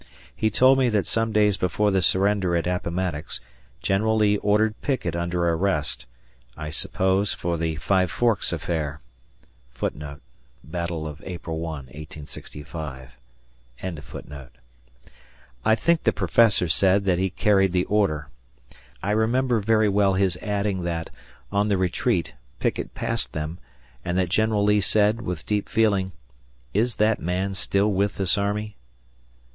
He told me that some days before the surrender at Appomattox, General Lee ordered Pickett under arrest I suppose for the Five Forks affair. I think the professor said that he carried the order. I remember very well his adding that, on the retreat, Pickett passed them, and that General Lee said, with deep feeling, "Is that man still with this army?"